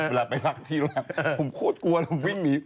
เวลาไปรับที่แล้วผมโคตรกลัวแล้วผมวิ่งหนี